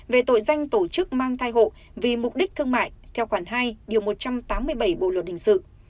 về tội danh tổ chức mang thai hộ vì mục đích thương mại theo khoản hai điều một trăm tám mươi bảy bộ luật hình sự